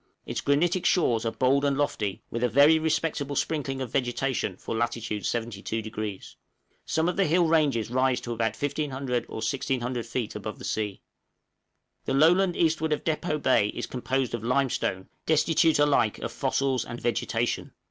Its granitic shores are bold and lofty, with a very respectable sprinkling of vegetation for lat. 72°. Some of the hill ranges rise to about 1500 or 1600 feet above the sea. The low land eastward of Depôt Bay is composed of limestone, destitute alike of fossils and vegetation.